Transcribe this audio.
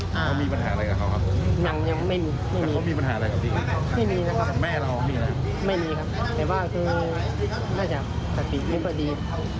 แต่ว่าคือน่าจะสติที่พอดี